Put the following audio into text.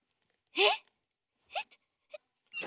えっ。